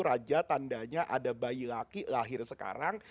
raja tandanya ada bayi laki lahir sekarang